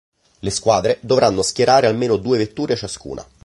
Le squadre dovranno schierare almeno due vetture ciascuna.